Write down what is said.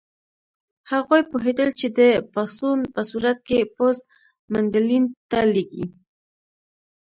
هغوی پوهېدل چې د پاڅون په صورت کې پوځ منډلینډ ته لېږي.